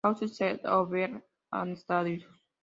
Causal Sets:Overview and status